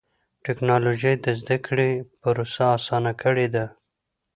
ټکنالوجي د زدهکړې پروسه اسانه کړې ده.